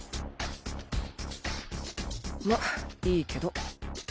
まっいいけど。